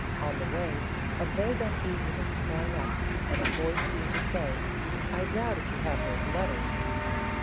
On the way, a vague uneasiness sprang up, and a voice seemed to say, 'I doubt if you have those letters.'